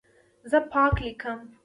زه پاک لیکم.